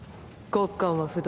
ゴッカンは不動。